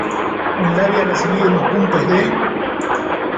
Moldavia ha recibido más puntos de...